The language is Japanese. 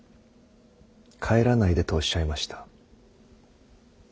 帰らないでとおっしゃいました。